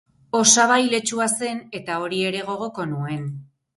Osaba iletsua zen eta hori ere gogoko nuen.